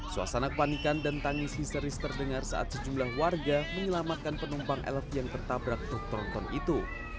suasana kepanikan dan tangis histeris terdengar saat sejumlah warga menyelamatkan penumpang lrt yang tertabrak truk tronton itu